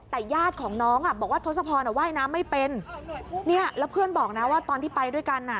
แต่ญาติของน้องอ่ะบอกว่าทศพรว่ายน้ำไม่เป็นเนี่ยแล้วเพื่อนบอกนะว่าตอนที่ไปด้วยกันอ่ะ